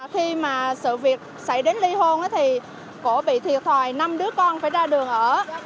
khi mà sự việc xảy đến ly hôn thì cổ bị thiệt thòi năm đứa con phải ra đường ở